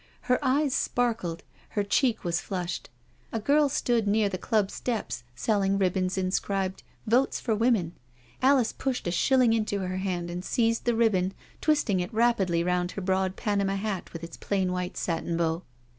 Her eyes sparkled, her cheek was flushed. A girl stood near the Club steps selling ribbons inscribed " Votes for Women." Alice pushed a shilling into her hand and seizing the ribbon, twisted it rapidly round her broad Panama hat with its plain white satin bow.